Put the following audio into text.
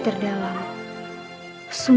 karena kanda perjuang